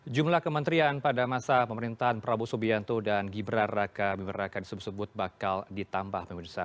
jumlah kementerian pada masa pemerintahan prabowo subianto dan gibraraka biberaka disebut sebut bakal ditambah memuduskan